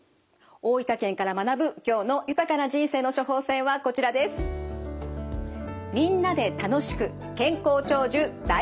大分県から学ぶ今日の豊かな人生の処方せんはこちらです。